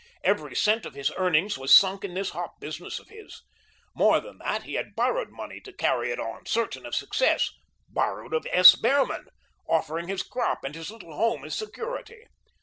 Every cent of his earnings was sunk in this hop business of his. More than that, he had borrowed money to carry it on, certain of success borrowed of S. Behrman, offering his crop and his little home as security.